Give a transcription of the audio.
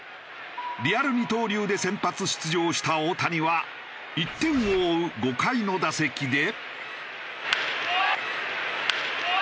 リアル二刀流で先発出場した大谷は１点を追う５回の打席で。